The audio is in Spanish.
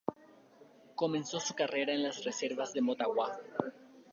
Comenzó su carrera en las reservas de Motagua.